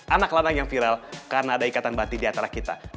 anak lanang yang viral karena ada ikatan batu di atara kita